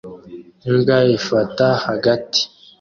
Imbwa ifata hagati